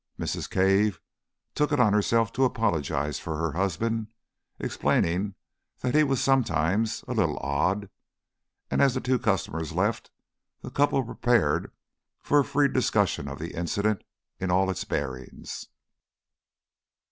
Mrs. Cave took it on herself to apologise for her husband, explaining that he was sometimes "a little odd," and as the two customers left, the couple prepared for a free discussion of the incident in all its bearings.